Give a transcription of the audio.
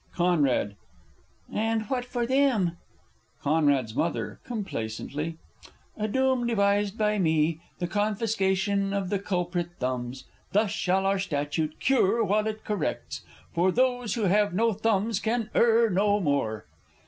Con. And what for them? C.'s M. (complacently). A doom devised by me The confiscation of the culprit thumbs. Thus shall our statute cure while it corrects, For those who have no thumbs can err no more.